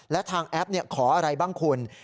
และทางแอปขออะไรบ้างคุณ